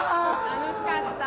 楽しかった。